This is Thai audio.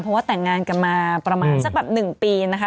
เพราะว่าแต่งงานกันมาประมาณสักแบบ๑ปีนะคะ